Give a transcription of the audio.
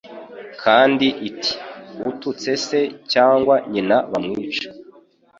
Kandi iti : Ututse se cyangwa nyina bamwice.